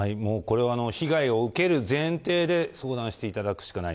被害を受ける前提で相談していただくしかない。